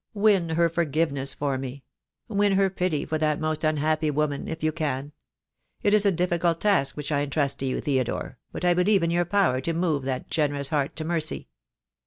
Win her forgiveness for me — win her pity for that most unhappy woman, if you can. It is a difficult task which I entrust to you, Theodore, but I believe in your power to move that generous heart to mercy."